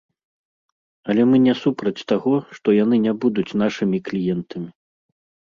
Але мы не супраць таго, што яны не будуць нашымі кліентамі.